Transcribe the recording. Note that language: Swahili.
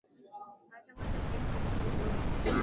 yanachangia kuleta uchumi imara